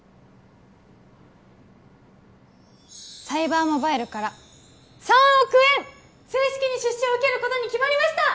サイバーモバイルから３億円正式に出資を受けることに決まりました！